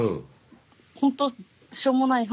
ほんとしょうもない話。